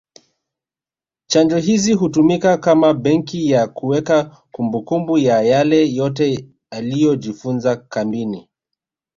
Chanjo hizo hutumika kama benki ya kuweka kumbukumbu ya yale yote aliyojifunza kambini